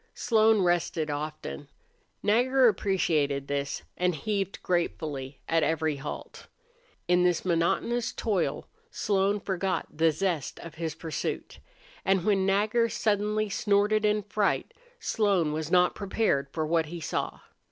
Slone rested often. Nagger appreciated this and heaved gratefully at every halt. In this monotonous toil Slone forgot the zest of his pursuit. And when Nagger suddenly snorted in fright Slone was not prepared for what he saw.